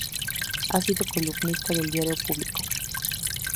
Ha sido columnista del diario "Público".